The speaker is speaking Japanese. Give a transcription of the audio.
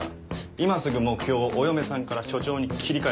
今すぐ目標をお嫁さんから署長に切り替えろ。